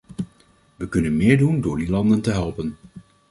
We kunnen meer doen door die landen te helpen.